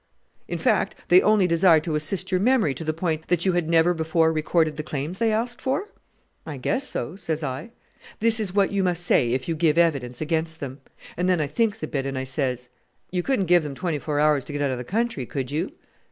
'In fact, they only desired to assist your memory to the point that you had never before recorded the claims they asked for?' 'I guess so,' says I. 'This is what you must say if you give evidence against them.' And then I thinks a bit, and I says, 'You couldn't give them twenty four hours to get out of the country, could you?'